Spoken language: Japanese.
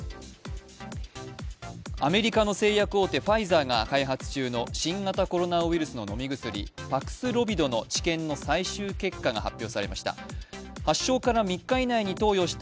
アメリカの製薬大手ファイザーが開発中の新型コロナウイルスの飲み薬パクスロビドの治験の最終結果が発表されました。